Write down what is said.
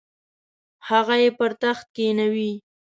هغه یې پر تخت کښینوي.